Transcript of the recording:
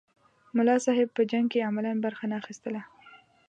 ملا صاحب په جنګ کې عملاً برخه نه اخیستله.